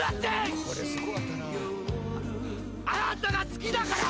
「あなたが好きだから。